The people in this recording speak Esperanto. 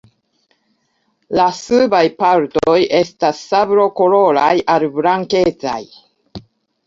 La subaj partoj estas sablokoloraj al blankecaj.